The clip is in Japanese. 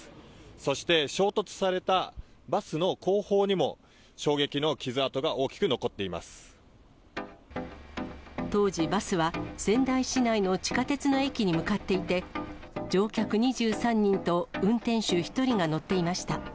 そして、衝突されたバスの後方にも、当時、バスは仙台市内の地下鉄の駅に向かっていて、乗客２３人と運転手１人が乗っていました。